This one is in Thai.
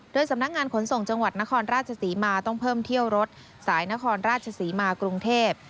สำนักงานขนส่งจังหวัดนครราชศรีมาต้องเพิ่มเที่ยวรถสายนครราชศรีมากรุงเทพ